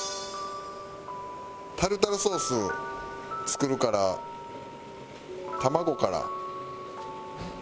タルタルソース作るから卵から。